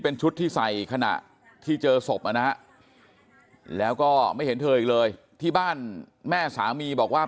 เป็นชุดที่ใส่ขณะที่เจอศพนะฮะแล้วก็ไม่เห็นเธออีกเลยที่บ้านแม่สามีบอกว่า